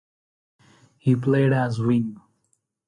He played as wing.